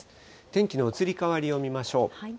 天気の移り変わりを見ましょう。